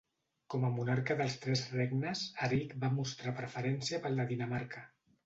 Com a monarca dels tres regnes, Eric va mostrar preferència pel de Dinamarca.